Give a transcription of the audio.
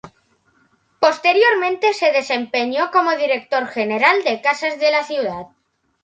Posteriormente se desempeñó como Director general de Casas de la Ciudad.